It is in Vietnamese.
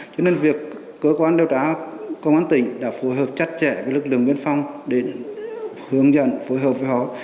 cho nên việc cơ quan điều trá công an tỉnh đã phù hợp chặt chẽ với lực lượng biên phong để hướng dẫn phù hợp với họ